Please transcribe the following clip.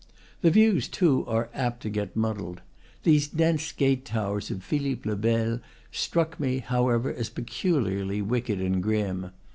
The views, too, are apt to get muddled. These dense gate towers of Philippe le Bel struck me, however, as peculiarly wicked and grim.